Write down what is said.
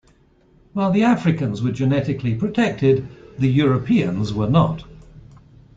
While the Africans were genetically protected, the Europeans were not.